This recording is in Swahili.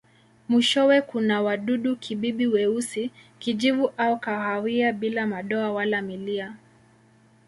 Mwishowe kuna wadudu-kibibi weusi, kijivu au kahawia bila madoa wala milia.